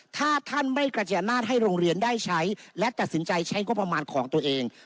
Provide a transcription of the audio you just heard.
ถ้าท่านไม่กระจายอำนาจให้โรงเรียนได้ใช้และตัดสินใจใช้งบประมาณของตัวเอง